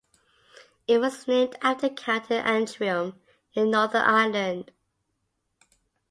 It was named after County Antrim in Northern Ireland.